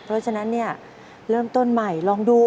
เพราะฉะนั้นเนี่ยเริ่มต้นใหม่ลองดู